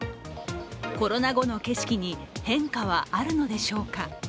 コロナ後の景色に変化はあるのでしょうか。